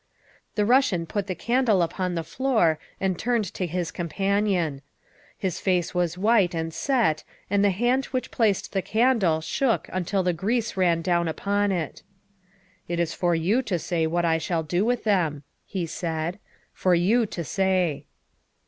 The Russian put the candle upon the floor and turned to his companion. His face was white and set and the hand which placed the candle shook until the grease ran down upon it. " It is for you to say what I shall do with them," he said, '' for you to say.